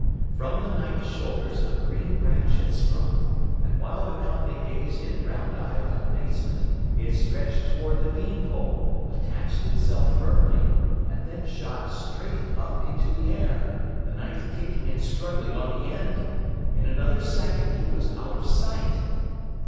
From the Knight's shoulders a green branch had sprung, and while the company gazed in round eyed amazement it stretched toward the bean pole, attached itself firmly, and then shot straight up into the air, the Knight kicking and struggling on the end. In another second, he was out of sight.